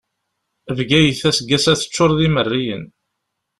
Bgayet, aseggas-a teččur d imerriyen.